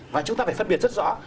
và chúng ta phải phân biệt rất rõ